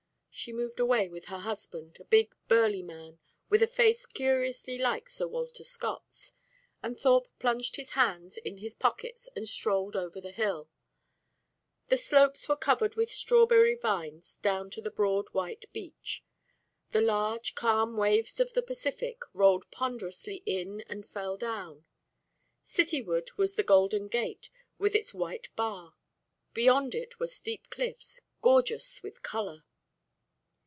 She moved away with her husband, a big burly man with a face curiously like Sir Walter Scott's, and Thorpe plunged his hands in his pockets and strolled over the hill. The slopes were covered with strawberry vines down to the broad white beach. The large calm waves of the Pacific rolled ponderously in and fell down. Cityward was the Golden Gate with its white bar. Beyond it were steep cliffs, gorgeous with colour.